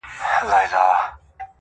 دوى ما اوتا نه غواړي.